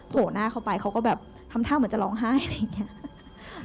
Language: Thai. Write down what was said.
โผล่หน้าเข้าไปเขาก็แบบทำท่าเหมือนจะร้องไห้อะไรอย่างนี้